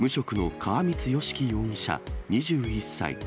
川満巽貴容疑者２１歳。